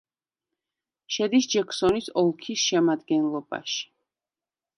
შედის ჯექსონის ოლქის შემადგენლობაში.